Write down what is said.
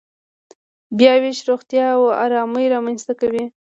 بیاوېش روغتیا او ارامي رامنځته کوي.